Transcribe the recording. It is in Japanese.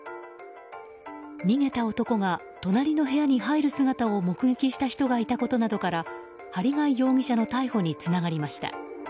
逃げた男が隣の部屋に入る姿を目撃した人がいたことなどから針谷容疑者の逮捕につながりました。